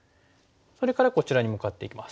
それからこちらに向かっていきます。